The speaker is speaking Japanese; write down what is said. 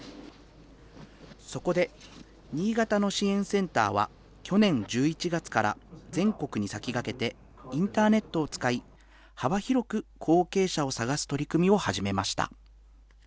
そこで新潟の支援センターは去年１１月から全国に先駆けて、インターネットを使い、幅広く後継者を探す取り組みを始めました。